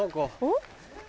ん？